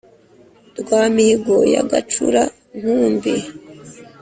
Rwa Mihigo ya Gacura-nkumbi